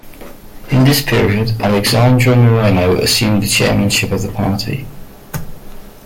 In this period, Alexandra Moreno assumed the chairmanship of the party.